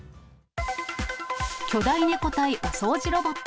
巨大猫対お掃除ロボット。